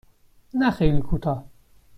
نه خیلی کوتاه.